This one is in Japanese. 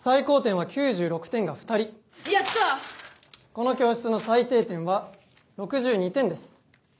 この教室の最低点は６２点です。